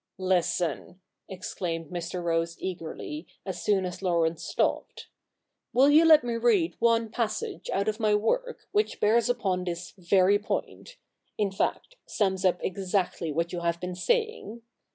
' Listen !' exclaimed Mr. Rose eagerly, as soon as Laurence stopped ;' will you let me read one passage out of my work which bears upon this very point — in fact, sums up exactly what you have been saying